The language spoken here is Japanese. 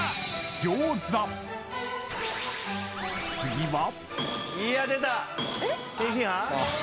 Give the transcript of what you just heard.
［次は］